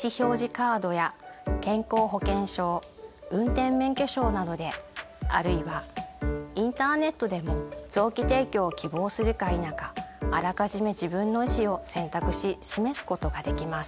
カードや健康保険証運転免許証などであるいはインターネットでも臓器提供を希望するか否かあらかじめ自分の意思を選択し示すことができます。